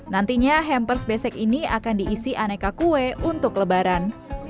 nantinya hampers besek ini akan diisi aneka kue untuk lebaran